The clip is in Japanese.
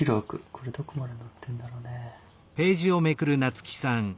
これどこまで載ってんだろうね。